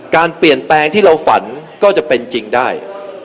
การเปลี่ยนแปลงที่เราฝันก็จะเป็นจริงได้